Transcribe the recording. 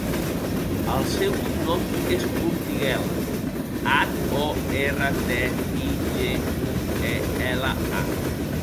El seu cognom és Hortiguela: hac, o, erra, te, i, ge, u, e, ela, a.